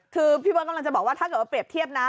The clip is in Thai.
คือพี่เบิร์ตกำลังจะบอกว่าถ้าเกิดว่าเปรียบเทียบนะ